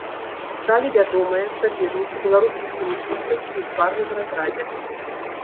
Сталі вядомыя саперніцы беларускіх тэнісістак і ў парным разрадзе.